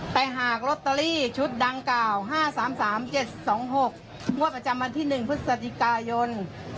แต่หากลอตเตอรี่ชุดดังกล่าว๕๓๓๗๒๖งวดประจำวันที่๑พฤศจิกายน